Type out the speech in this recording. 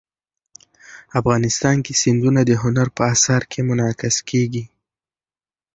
افغانستان کې سیندونه د هنر په اثار کې منعکس کېږي.